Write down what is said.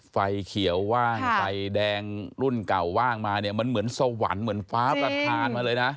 ไฟเขียวว่างไฟแดงรุ่นเก่าว่างมาเนี่ยมันเหมือนสวรรค์เหมือนฟ้าประธานมาเลยนะ